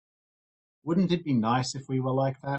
Wouldn't it be nice if we were like that?